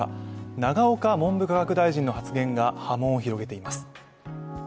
永岡文部科学大臣の発言が波紋を広げています。